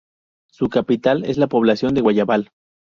Su capital es la población de Guayabal.